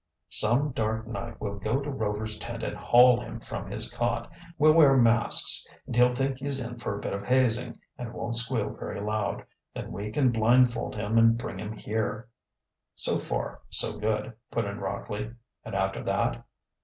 "Some dark night we'll go to Rover's tent and haul him from his cot. We'll wear masks and he'll think he's in for a bit of hazing and won't squeal very loud. Then we can blindfold him and bring him here." "So far, so good," put in Rockley. "And after that?"